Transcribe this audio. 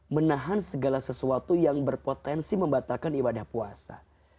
menahan segala sesuatu yang berpotensi membatalkan ibadah puasa